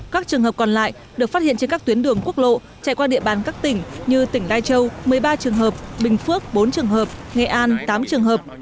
các trường hợp còn lại được phát hiện trên các tuyến đường quốc lộ chạy qua địa bàn các tỉnh như tỉnh lai châu một mươi ba trường hợp bình phước bốn trường hợp nghệ an tám trường hợp